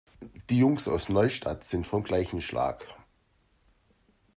Die Jungs aus Neustadt sind vom gleichen Schlag.